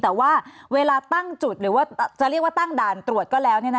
แต่ว่าเวลาตั้งจุดหรือว่าจะเรียกว่าตั้งด่านตรวจก็แล้ว